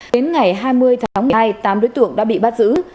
đến ngày hai mươi tháng một mươi hai tám đối tượng đã bị bắt giữ